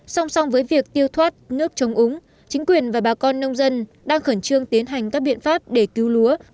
song song với việc tiêu thoát nước chống úng chính quyền và bà con nông dân đang khẩn trương tiến hành các biện pháp để cứu lúa